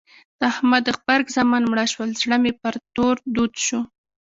د احمد غبرګ زامن مړه شول؛ زړه مې پر تور دود شو.